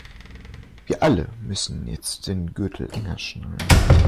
Wir alle müssen jetzt den Gürtel enger schnallen.